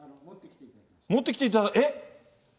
持ってきていただいた、えっ？